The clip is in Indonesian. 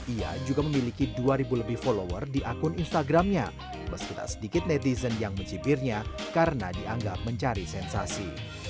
ia juga memiliki dua ribu lebih follower di akun instagramnya meski tak sedikit netizen yang mencibirnya karena dianggap mencari sensasi